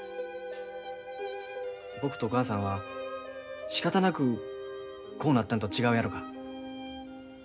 僕とお母さんはしかたなくこうなったんと違うやろか。